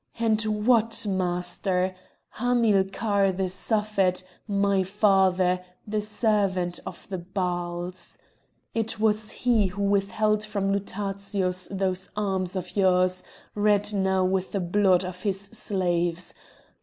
And what master? Hamilcar the Suffet, my father, the servant of the Baals! It was he who withheld from Lutatius those arms of yours, red now with the blood of his slaves!